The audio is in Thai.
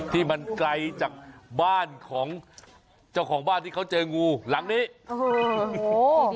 ที่มันไกลจากบ้านของเจ้าของบ้านที่เขาเจองูหลังนี้โอ้โห